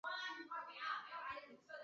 当时车站周围主要有农地及少量民居。